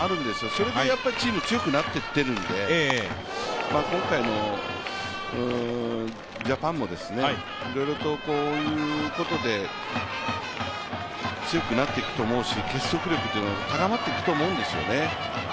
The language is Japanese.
それでチーム強くなってってるんで、今回のジャパンも、いろいろこういうことで強くなっていくと思うし、結束力というのは高まっていくと思うんですよね。